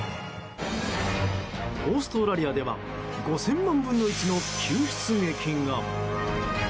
オーストラリアでは５０００万分の１の救出劇が。